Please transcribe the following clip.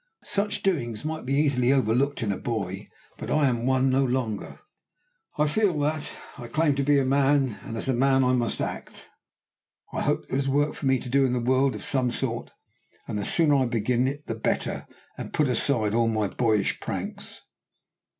Such doings might be easily overlooked in a boy, but I am one no longer. I feel that. I claim to be a man, and as a man I must act. I hope there is work for me to do in the world of some sort, and the sooner I begin it the better, and put aside all my boyish pranks."